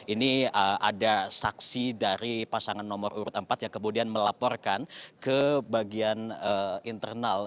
ini ada saksi dari pasangan nomor urut empat yang kemudian melaporkan ke bagian internal